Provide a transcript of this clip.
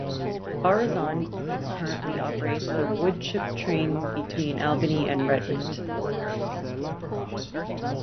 Aurizon currently operates a woodchip train between Albany and Redmond.